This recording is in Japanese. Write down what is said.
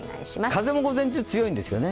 風も午前中寒いんですよね。